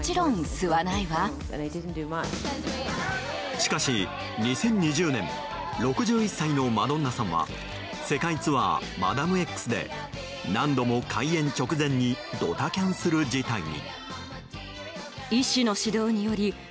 しかし、２０２０年６１歳のマドンナさんは世界ツアー「マダムＸ」で何度も開演直前にドタキャンする事態に。